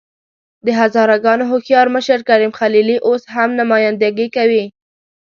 د هزاره ګانو هوښیار مشر کریم خلیلي اوس هم نمايندګي کوي.